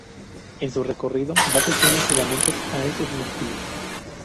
En su recorrido da pequeños filamentos a estos músculos.